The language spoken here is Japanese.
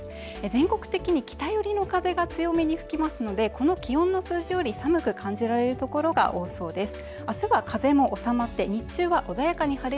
全国的に北寄りの風が強めに吹きますのでこの気温の数字より寒く感じられる所が多そうです